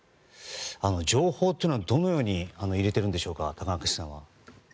情報というのはどのように入れてるんでしょうか高垣さんは。